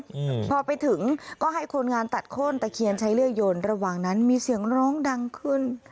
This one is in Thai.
อืมพอไปถึงก็ให้คนงานตัดโค้นตะเคียนใช้เลื่อยยนระหว่างนั้นมีเสียงร้องดังขึ้น